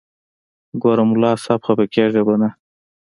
ګوره ملا صاحب خپه کېږې به نه.